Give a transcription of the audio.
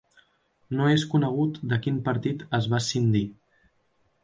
No és conegut de quin partit es va escindir.